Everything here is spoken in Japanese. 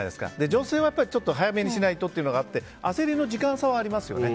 女性はちょっと早めにしないとというのがあって焦りの時間差はありますよね